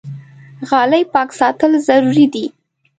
غالۍ پاک ساتل ضروري دي.